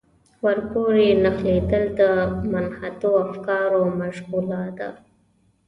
ورپورې نښلېدل د منحطو افکارو مشغولا ده.